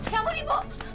ya ampun ibu